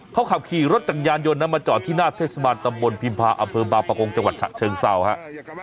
เขาขับขี่รถจักรยานยนต์นะมาจอดที่หน้าเทศบาลตำบลพิมพาอำเภอบางประกงจังหวัดฉะเชิงเศร้าครับ